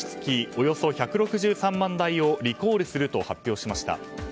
およそ１６３万台をリコールすると発表しました。